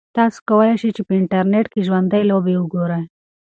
تاسو کولای شئ چې په انټرنیټ کې ژوندۍ لوبې وګورئ.